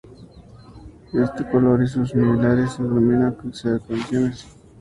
Este color y sus similares se denominan carnaciones.